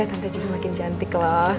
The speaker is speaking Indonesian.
tante juga makin cantik lah